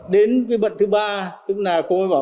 đến cái bận thứ ba tức là cô ấy bảo